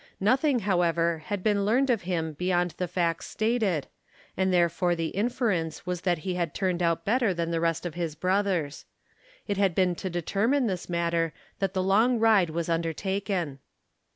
Nothing, however, had been learned of him beyond the facts stated, and there fore the inference was that he had turned out better than the rest of his brothers. It had been to determine this matter that the long ride was undertaken.